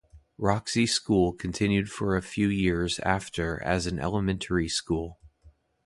Roxie School continued for a few years after as an elementary school.